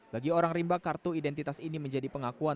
bagi orang rimba kartu identitas ini menjadi pengakuan